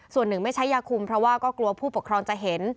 ส่วนหนึ่งไม่ใช้ยาคุมเพราะว่าก็กลัวผู้ปกครองจะเห็น